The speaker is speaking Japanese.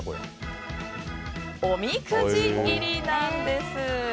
おみくじ入りなんです！